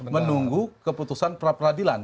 menunggu keputusan pra peradilan